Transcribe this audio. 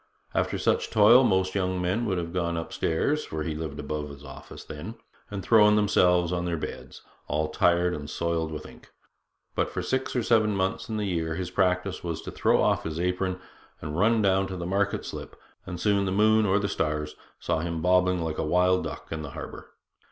After such toil most young men would have gone upstairs (for he lived above his office then) and thrown themselves on their beds, all tired and soiled with ink; but for six or seven months in the year his practice was to throw off his apron and run down to the market slip, and soon the moon or the stars saw him bobbing like a wild duck in the harbour.